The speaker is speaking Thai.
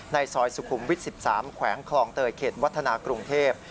ซอยสุขุมวิทย์๑๓แขวงคลองเตยเขตวัฒนากรุงเทพ